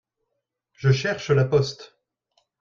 Je cherche la poste.